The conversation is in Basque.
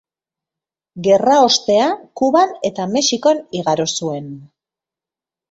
Gerra ostea Kuban eta Mexikon igaro zuen.